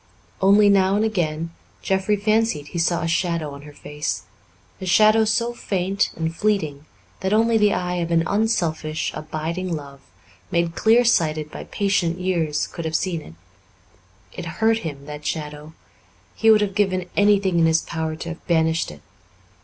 Only, now and then, Jeffrey fancied he saw a shadow on her face a shadow so faint and fleeting that only the eye of an unselfish, abiding love, made clear sighted by patient years, could have seen it. It hurt him, that shadow; he would have given anything in his power to have banished it.